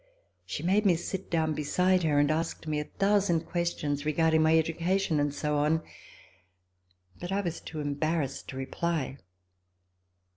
She made me sit down beside her and asked me a thousand questions regarding my education and so on, but I was too embarrassed to reply.